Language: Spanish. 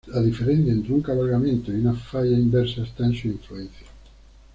La diferencia entre un cabalgamiento y una falla inversa está en su influencia.